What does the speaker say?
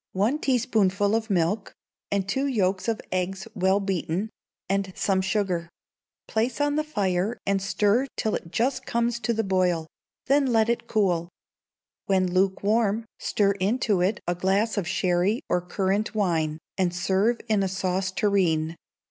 One teaspoonful of milk, and two yolks of eggs well beaten, and some sugar; place on the fire and stir till it just comes to the boil: then let it cool. When lukewarm, stir into it a glass of sherry or currant wine, and serve in a sauce tureen.